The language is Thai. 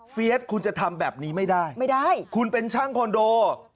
เฟียดคุณจะทำแบบนี้ไม่ได้คุณเป็นช่างคอนโดไม่ได้